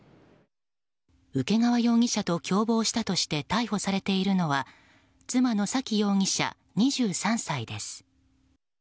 請川容疑者と共謀したとして逮捕されているのは妻の左稀容疑者、２３歳です。